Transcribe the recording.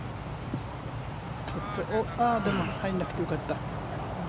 でも入らなくてよかった。